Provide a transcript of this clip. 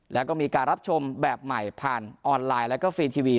แล้วก็มีการรับชมแบบใหม่ผ่านออนไลน์แล้วก็ฟรีทีวี